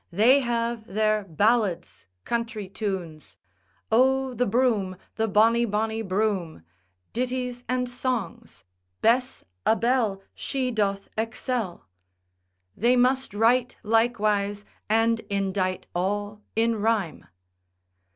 they have their ballads, country tunes, O the broom, the bonny, bonny broom, ditties and songs, Bess a belle, she doth excel,—they must write likewise and indite all in rhyme.